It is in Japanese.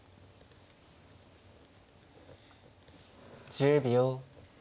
１０秒。